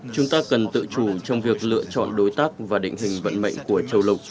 chúng ta cần tự chủ trong việc lựa chọn đối tác và định hình vận mệnh của châu lục